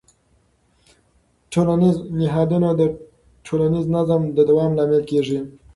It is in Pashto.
ټولنیز نهادونه د ټولنیز نظم د دوام لامل کېږي.